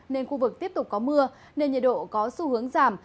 nên khu vực tiếp tục có mưa nên nhiệt độ có xu hướng giảm